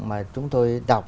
mà chúng tôi đọc